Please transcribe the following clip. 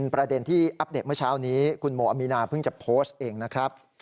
ประเด็นที่อัปเดตเมื่อเช้านี้คุณโมอามีนาเพิ่งจะโพสต์เองนะครับ